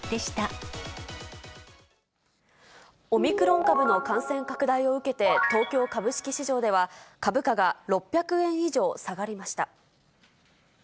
オミクロン株の感染拡大を受けて、東京株式市場では、株価が６００円以上下がりました。